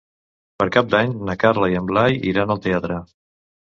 Per Cap d'Any na Carla i en Blai iran al teatre.